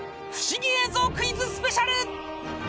不思議映像クイズスペシャル。